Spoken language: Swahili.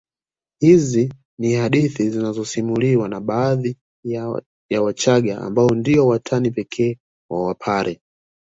Hizi ni hadithi zinazosimuliwa na baadhi ya Wachaga ambao ndio watani pekee wa Wapare